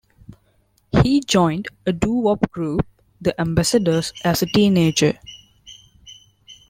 He joined a doo-wop group, The Ambassadors, as a teenager.